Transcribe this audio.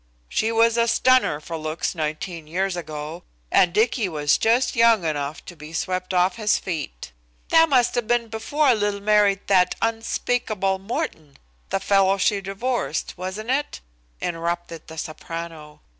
She was a stunner for looks 19 years ago, and Dicky was just young enough to be swept off his feet." "That must have been before Lil married that unspeakable Morten, the fellow she divorced, wasn't it?" interrupted the soprano.